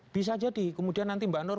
bisa jadi kemudian nanti mbak nur